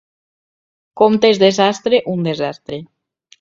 Comptes de sastre, un desastre.